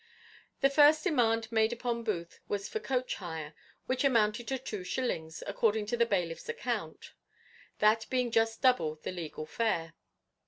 The first demand made upon Booth was for coach hire, which amounted to two shillings, according to the bailiff's account; that being just double the legal fare.